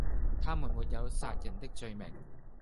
他們沒有殺人的罪名，